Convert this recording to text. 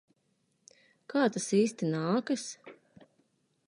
Kā tas īsti nākas?